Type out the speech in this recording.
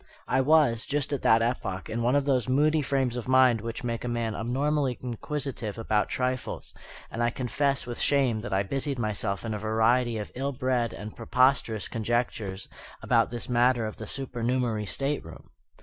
I was, just at that epoch, in one of those moody frames of mind which make a man abnormally inquisitive about trifles: and I confess with shame that I busied myself in a variety of ill bred and preposterous conjectures about this matter of the supernumerary stateroom.